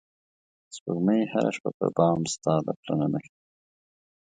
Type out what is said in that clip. سپوږمۍ هره شپه پر بام ستا د پلونو نښې